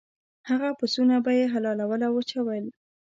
هغه پسونه به یې حلالول او وچول.